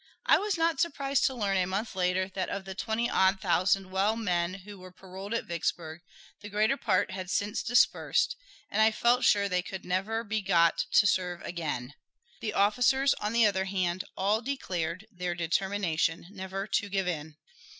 I was not surprised to learn a month later that of the twenty odd thousand well men who were paroled at Vicksburg the greater part had since dispersed, and I felt sure they could never be got to serve again. The officers, on the other hand, all declared their determination never to give in.